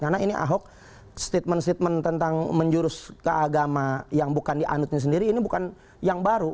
karena ini ahok statement statement tentang menjurus keagama yang bukan dianutin sendiri ini bukan yang baru